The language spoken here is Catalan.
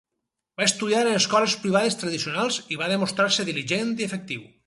Va estudiar en escoles privades tradicionals i va demostrar-se diligent i efectiu.